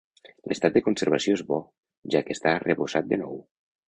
L'estat de conservació és bo, ja que està arrebossat de nou.